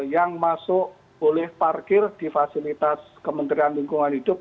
yang masuk boleh parkir di fasilitas kementerian lingkungan hidup